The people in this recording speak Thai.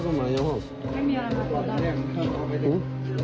สวัสดีครับทุกคน